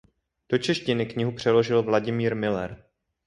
Do češtiny knihu přeložil Vladimír Müller.